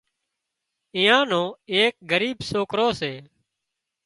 ايئا نو ايڪ ڳريٻ سوڪرو سي